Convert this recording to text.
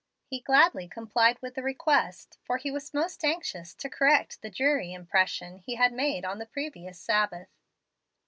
He gladly complied with the request, for he was most anxious to correct the dreary impression he had made on the previous Sabbath.